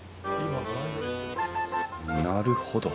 なるほど。